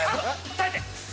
耐えて！